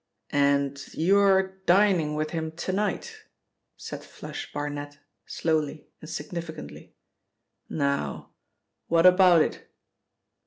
And you're dining with him to night?" said 'Flush' Barnet slowly and significantly. "Now, what about it?"